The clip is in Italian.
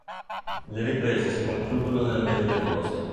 Le riprese si concludono nel mese di agosto.